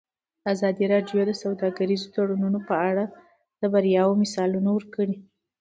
ازادي راډیو د سوداګریز تړونونه په اړه د بریاوو مثالونه ورکړي.